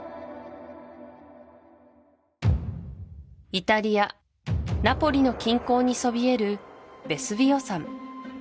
イタリアナポリの近郊にそびえるヴェスヴィオ山